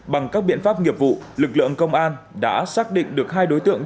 bằng các biện pháp nghiệp vụ lực lượng công an đã xác định được hai đối tượng